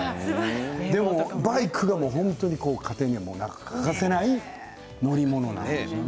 バイクはもう家庭には欠かせない乗り物なんですよね。